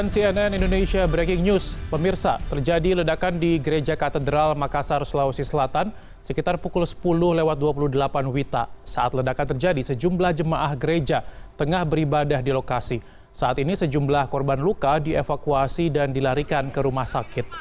cnn indonesia breaking news